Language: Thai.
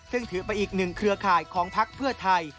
ซึ่งถือไปอีกหนึ่งเครือข่ายของพักเพื่อไทย